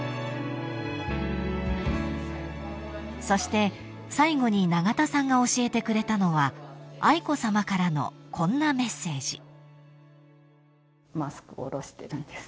［そして最後に永田さんが教えてくれたのは愛子さまからのこんなメッセージ］